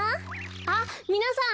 あっみなさん。